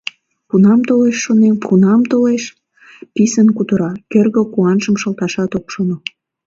— Кунам толеш, шонем, кунам толеш? — писын кутыра, кӧргӧ куанжым шылташат ок шоно.